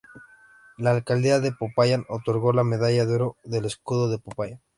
La Alcaldía de Popayán otorgo la medalla de oro del Escudo de Popayán.